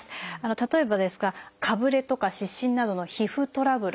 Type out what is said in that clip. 例えばですがかぶれとか湿疹などの皮膚トラブル。